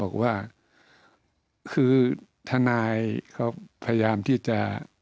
บอกว่าคือทนายเขาพยายามที่จะ